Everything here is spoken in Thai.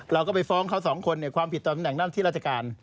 เราก็ไปฟ้องเขาสองคนความผิดตำแหน่งหน้าที่ราชการ